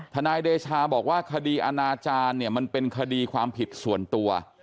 นายเดชาบอกว่าคดีอนาจารย์เนี่ยมันเป็นคดีความผิดส่วนตัว